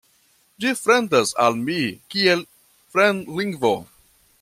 Ĝi fremdas al mi kiel fremdlingvo.